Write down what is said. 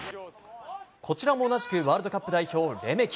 こちらも同じくワールドカップ代表、レメキ。